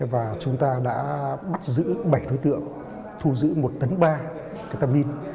và chúng ta đã bắt giữ bảy đối tượng thu giữ một tấn ba ketamin